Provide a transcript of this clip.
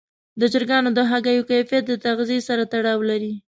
د چرګانو د هګیو کیفیت د تغذیې سره تړاو لري.